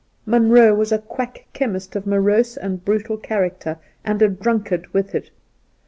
Munroe was a quack chemist of morose and brutal character, and a drunkard with it.